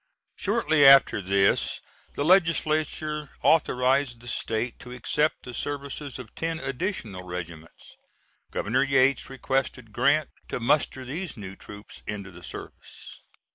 Shortly after this the Legislature authorized the State to accept the services of ten additional regiments. Governor Yates requested Grant to muster these new troops into the service.